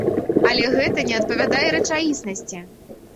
Але гэта не адпавядае рэчаіснасці!